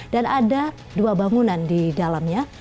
ada dua bangunan di dalamnya